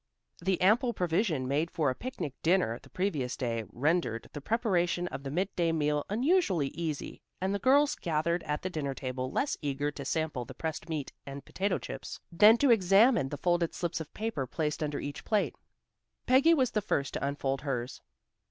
The ample provision made for a picnic dinner the previous day rendered the preparation of the midday meal unusually easy, and the girls gathered at the dinner table less eager to sample the pressed meat and potato chips than to examine the folded slips of paper placed under each plate. Peggy was the first to unfold hers.